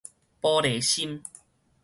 玻璃心